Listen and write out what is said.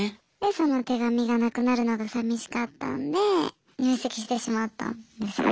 その手紙が無くなるのが寂しかったんで入籍してしまったんですよね。